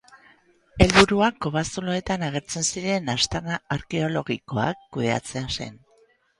Helburua kobazuloetan agertzen ziren aztarna arkeologikoak kudeatzea zen.